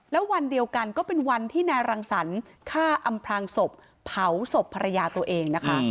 แล้ววันเดียวกันก็เป็นวันที่นายรังสรรค์ฆ่าอำพลางศพเผาศพภรรยาตัวเองนะคะ